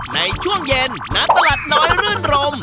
ในช่วงเย็นณตลาดน้อยรื่นรม